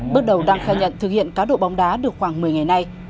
bước đầu đang khai nhận thực hiện cá độ bóng đá được khoảng một mươi ngày nay